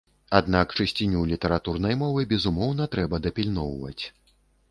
Аднак чысціню літаратурнай мовы, безумоўна, трэба дапільноўваць!